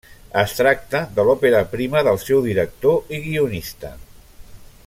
Es tracta de l'òpera prima del seu director i guionista.